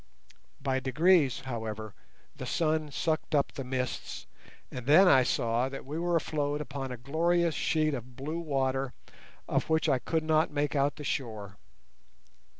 By degrees, however, the sun sucked up the mists, and then I saw that we were afloat upon a glorious sheet of blue water of which I could not make out the shore.